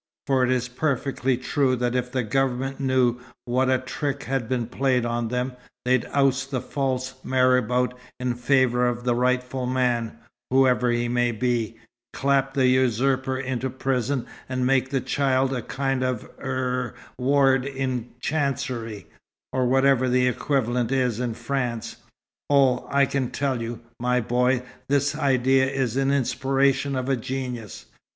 For it's perfectly true that if the Government knew what a trick had been played on them, they'd oust the false marabout in favour of the rightful man, whoever he may be, clap the usurper into prison, and make the child a kind of er ward in chancery, or whatever the equivalent is in France. Oh, I can tell you, my boy, this idea is the inspiration of a genius!